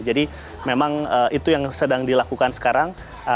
jadi memang itu yang sedang dilakukan sekarang